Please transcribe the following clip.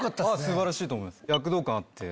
素晴らしいと思います。